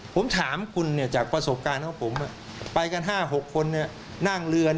ผมถามคุณจากประสบการณ์ของผมไปกัน๕๖คนนั่งเรือ